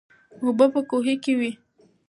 اوبه په کوهي کې وې.